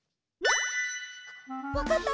わかった？